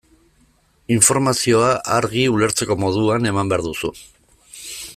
Informazioa argi, ulertzeko moduan, eman behar duzu.